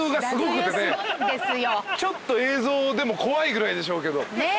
ちょっと映像でも怖いぐらいでしょうけど。